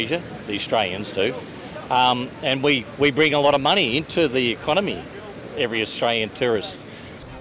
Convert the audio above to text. dan kami membawa banyak uang ke ekonomi para turis australia